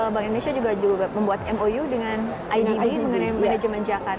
bank indonesia juga membuat mou dengan idb mengenai manajemen jakar